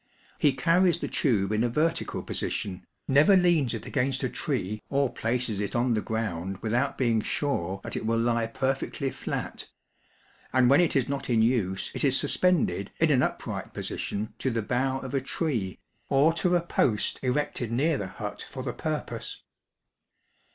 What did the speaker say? He carries the tube in a vertical position, never leans it against a tree or places it on the ground without being sure that it will lie perfectly flat ; and when it is not in use it is suspended, in an upright position, to the bough of a tree, or to a post erected near the hut for the purpose.